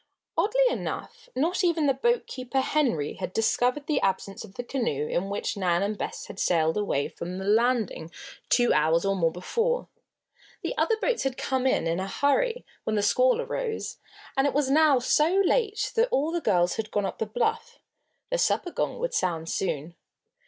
Oddly enough not even the boatkeeper, Henry, had discovered the absence of the canoe in which Nan and Bess had sailed away from the landing two hours and more before. The other boats had come in, in a hurry, when the squall arose, and it was now so late that all the girls had gone up the bluff. The supper gong would sound soon.